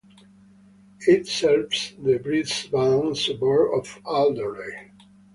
It serves the Brisbane suburb of Alderley.